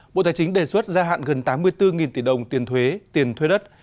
bộ tài chính đề xuất gia hạn gần tám mươi bốn tỷ đồng tiền thuế tiền thuê đất